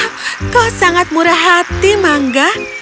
oh kok sangat murah hati mangga